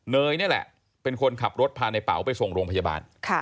เนยนี่แหละเป็นคนขับรถพาในเป๋าไปส่งโรงพยาบาล